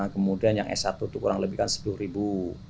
kemudian yang s satu itu kurang lebih kan sepuluh ribu